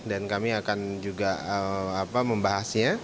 dan kami akan juga membahasnya